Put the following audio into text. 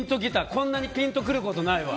こんなにぴんとくることないわ。